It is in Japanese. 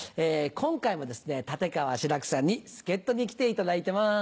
今回もですね立川志らくさんに助っ人に来ていただいてます。